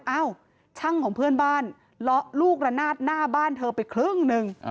เอ้าช่างของเพื่อนบ้านเลาะลูกระนาดหน้าบ้านเธอไปครึ่งหนึ่ง